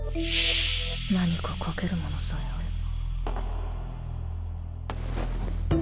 何か書けるものさえあれば。